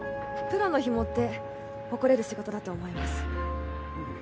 プロのヒモって誇れる仕事だと思います